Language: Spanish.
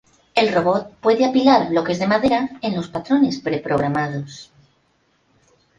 El robot puede apilar bloques de madera en los patrones pre-programados.